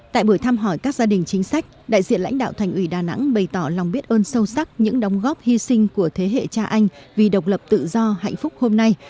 tại buổi thăm hỏi các gia đình chính sách đại diện lãnh đạo thành ủy đà nẵng bày tỏ lòng biết ơn sâu sắc những đóng góp hy sinh của thế hệ cha anh vì độc lập tự do hạnh phúc hôm nay